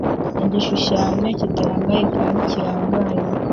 Igishushanyo kitarangaye kandi kirangaye